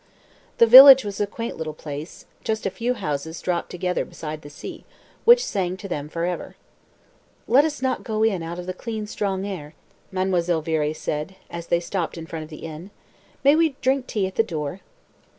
The village was a quaint little place, just a few houses dropped together beside the sea, which sang to them for ever. "Let us not go in out of the clean, strong air," Mademoiselle Viré said, as they stopped in front of the inn. "May we drink tea at the door?"